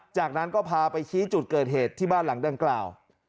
จากนั้นก็พาไปชี้จุดเกิดเหตุที่บ้านหลังดังกล่าว